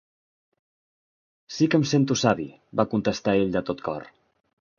"Sí que em sento savi", va contestar ell de tot cor.